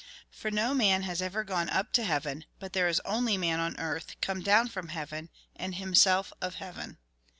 " For, no man has ever gone up to heaven, but there is only man on earth, come down from heaven, and himself of heaven.